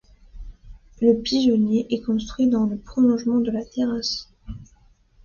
Le pigeonnier est construit dans le prolongement de la terrasse.